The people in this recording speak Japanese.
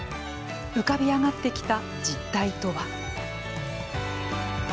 浮かび上がってきた実態とは。